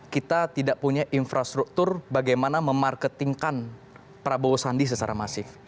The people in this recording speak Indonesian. kita tidak punya infrastruktur bagaimana memarketingkan prabowo sandi secara masif